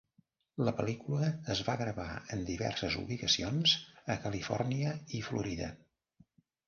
La pel·lícula es va gravar en diverses ubicacions a Califòrnia i Florida.